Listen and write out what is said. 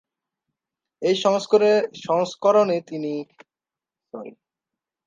এই সংস্করণে তিনি এই গ্রন্থের একটি ইংরেজি অনুবাদও প্রকাশ করেহচিলেন।